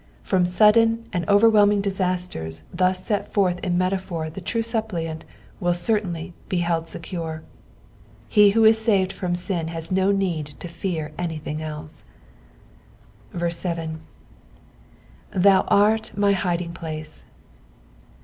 From sudden and ovei whelming disasters thus set forth in metaphor the true suppliant will certainly be held secure. He whu is saved from sin has no need to fear anything eUe. T. " Tkou art my hiding place."